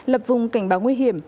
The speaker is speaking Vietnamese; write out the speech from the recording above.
lập vùng cảnh báo nguy hiểm